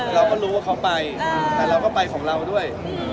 เราก็รู้ว่าเขาไปแต่เราก็ไปของเราด้วย